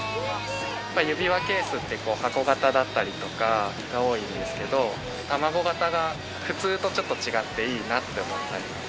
指輪ケースって箱型だったりとかが多いんですけど、卵形が普通とちょっと違っていいなって思ったので。